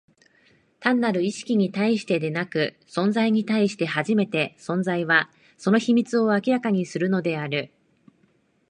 単なる意識に対してでなく、存在に対して初めて、存在は、その秘密を明らかにするのである。